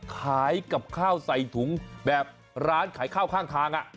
ขายกับข้าวใส่ถุงแบบร้านขายข้าวข้างทาง